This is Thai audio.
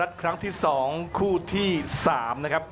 แล้วกลับมาติดตามกันต่อนะครับ